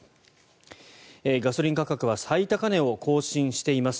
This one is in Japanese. ガソリン価格は最高値を更新しています。